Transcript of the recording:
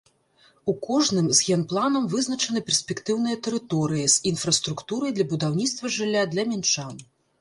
У кожным з генпланам вызначаны перспектыўныя тэрыторыі з інфраструктурай для будаўніцтва жылля для мінчан.